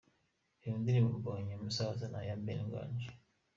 Reba indirimbo Mbonye umusaza ya Ben Nganji:.